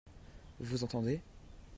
Vous entendez ?